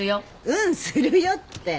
「うん。するよ」って。